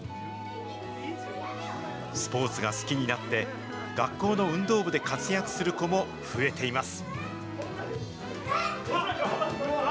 スポーツが好きになって、学校の運動部で活躍する子も増えています。